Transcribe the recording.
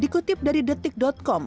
dikutip dari detik com